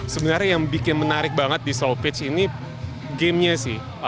sebenarnya yang bikin menarik banget di slow pitch ini gamenya sih